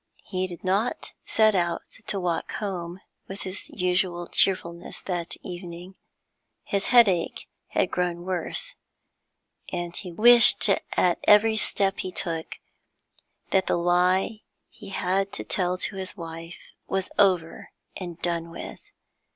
He did not set out to walk home with his usual cheerfulness that evening. His headache had grown worse, and he wished, wished at every step he took, that the lie he had to tell to his wife was over and done with.